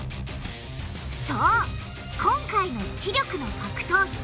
そう今回の知力の格闘技。